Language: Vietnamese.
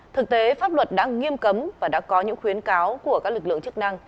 thực tế pháp luật đã nghiêm cấm và đã có những khuyến cáo của các lực lượng chức năng